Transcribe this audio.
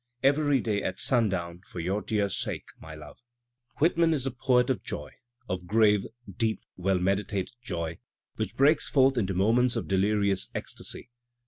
Every day at sundown for your dear sake, my love. Whitman is the poet of joy, of grave, deep, well meditated joy, which breaks forth into moments of delirious ecstasy.